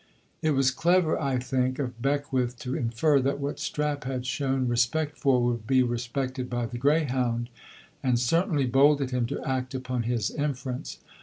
It was clever, I think, of Beckwith to infer that what Strap had shown respect for would be respected by the greyhound, and certainly bold of him to act upon his inference.